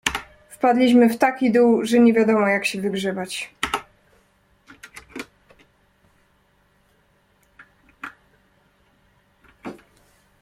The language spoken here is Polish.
"Wpadliśmy w taki dół, że niewiadomo, jak się wygrzebać."